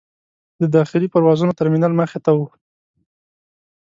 د داخلي پروازونو ترمینل مخې ته و.